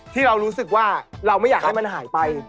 ที่เรารู้สึกว่าเราไม่อยากให้มันหายไป